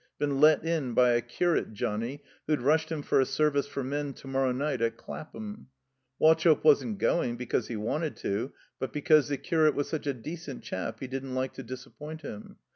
Been let in by a curate Johnnie who'd rushed him for a Service for Men to morrow night at Clapham. Wauchope wasn't going because he wanted to, but because the curate was such a decent chap he didn't like to disappoint him.